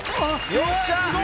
よっしゃ。